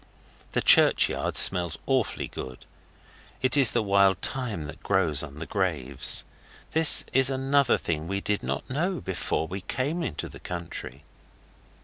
The churchyard smells awfully good. It is the wild thyme that grows on the graves. This is another thing we did not know before we came into the country.